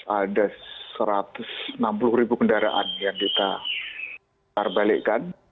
ada satu ratus enam puluh ribu kendaraan yang kita taruh balikkan